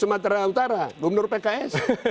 sumatera utara gubernur pks